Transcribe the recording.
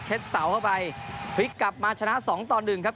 เสาเข้าไปพลิกกลับมาชนะสองต่อหนึ่งครับ